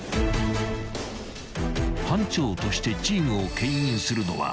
［班長としてチームをけん引するのは］